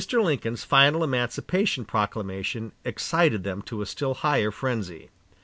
Lincoln's final emancipation proclamation excited them to a still higher frenzy.